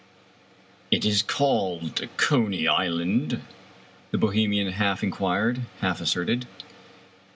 " It is called Coney Island ?" the Bohemian half in quired, half asserted.